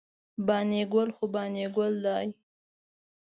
بانی ګل خو بانی ګل داي